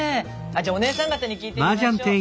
じゃお姉さん方に聞いてみましょう。